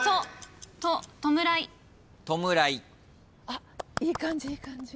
あっいい感じいい感じ。